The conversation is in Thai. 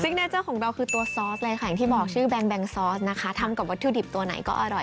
เนเจอร์ของเราคือตัวซอสเลยค่ะอย่างที่บอกชื่อแบงซอสนะคะทำกับวัตถุดิบตัวไหนก็อร่อย